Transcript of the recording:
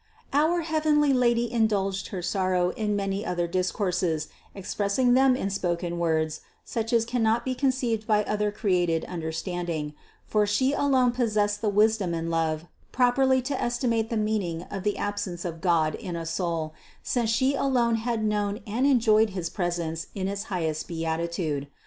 (Thren. 1, 12.) 683. Our heavenly Lady indulged her sorrow in many other discourses, expressing them in spoken words, such THE CONCEPTION 527 as cannot be conceived by other created understanding; for She alone possessed the wisdom and love properly to estimate the meaning of the absence of God in a soul, since She alone had known and enjoyed his presence in its highest beatitude.